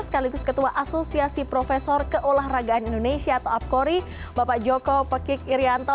sekaligus ketua asosiasi profesor keolahragaan indonesia atau apkori bapak joko pekik irianto